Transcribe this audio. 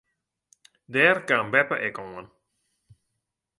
Dêr kaam beppe ek oan.